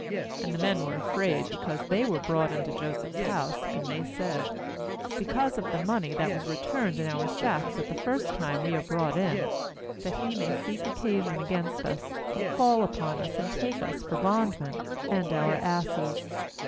18And the men were afraid, because they were brought into Joseph's house; and they said: 'Be cause of the money that was returned in our sacks at the first time are we brought in; that he may seek occasion against us, and fall upon us, and take us for bondmen, and our asses.'